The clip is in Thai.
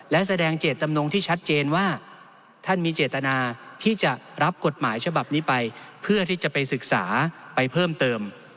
และแสดงเจตจำนงที่ชัดเจนว่าท่านมีเจตนาที่จะรับกฎหมายฉบับนี้ไปเพื่อที่จะไปศึกษาไปเพิ่มเติม